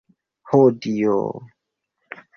Ho Dio!